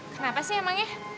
kenapa sih emangnya